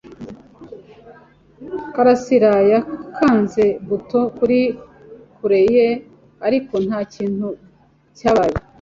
Karasirayakanze buto kuri kure ye, ariko ntakintu cyabaye.